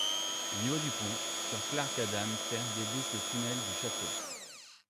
Au niveau du pont, sur Clark Ádám tér débouche le tunnel du Château.